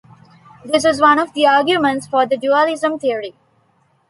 This was one of the arguments for the dualism theory.